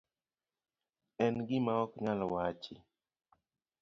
En gima ok nyal wachi.